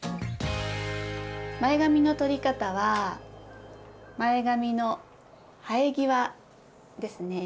前髪のとり方は前髪の生え際ですね。